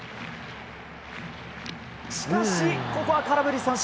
しかし、ここは空振り三振。